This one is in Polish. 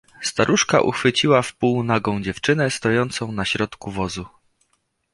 "Staruszka uchwyciła w pół nagą dziewczynę, stojącą na środku wozu."